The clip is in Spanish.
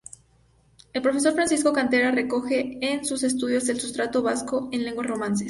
El profesor Francisco Cantera recoge en sus estudios el sustrato vasco en lenguas romances.